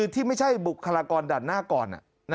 ที่ไม่ใช่บุคลากรด่านหน้าก่อน